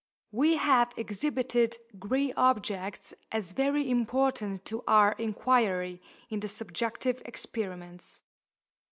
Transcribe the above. We have exhibited grey objects as very important to our inquiry in the subjective experiments.